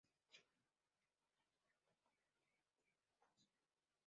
Se distribuyen por Europa, Norte de África y en Oriente Próximo.